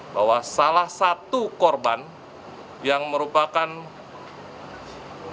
bahwa salah satu orang yang di dpo adalah anak anak anggota kepolisian